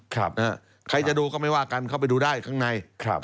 ใครจะดูก็ไม่ว่ากันเข้าไปดูได้ข้างใน